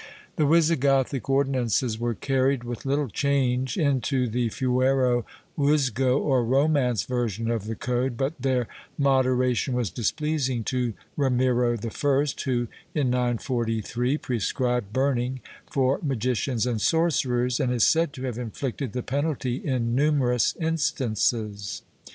The Wisigothic ordinances were carried, with little change, into the Fuero Juzgo, or Romance version of the code, but their modera tion was displeasing to Ramiro I, who, in 943, prescribed burning for magicians and sorcerers and is said to have inflicted the penalty in numerous instances.